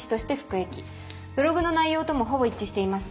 ブログの内容ともほぼ一致しています。